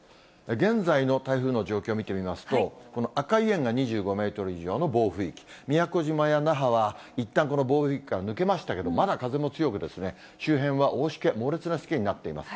現在の台風の状況見てみますと、この赤い円が２５メートル以上の暴風域、宮古島や那覇はいったん、この暴風域から抜けましたけど、まだ風も強く、周辺は大しけ、猛烈なしけになっています。